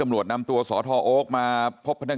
ทำให้สัมภาษณ์อะไรต่างนานไปออกรายการเยอะแยะไปหมด